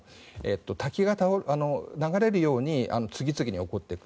滝が流れるように次々に起こっていく。